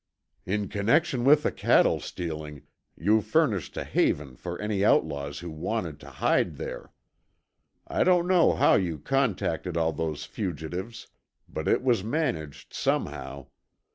"In connection with the cattle stealing, you've furnished a haven for any outlaws who wanted to hide there. I don't know how you contacted all those fugitives, but it was managed somehow.